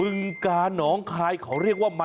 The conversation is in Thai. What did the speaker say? ที่นี่มันเสาครับ